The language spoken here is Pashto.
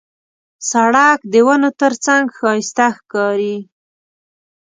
سړک د ونو ترڅنګ ښایسته ښکاري.